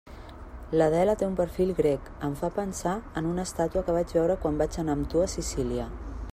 L'Adela té un perfil grec, em fa pensar en una estàtua que vaig veure quan vaig anar amb tu a Sicília.